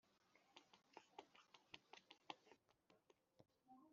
ingengo y imari izabigendaho byose